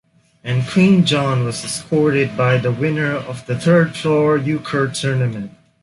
And Queen John was escorted by the winner of the third floor Euchre tournament.